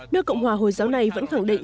nước cộng hòa hồi giáo này vẫn khẳng định